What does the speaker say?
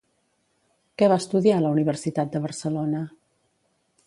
Què va estudiar a la Universitat de Barcelona?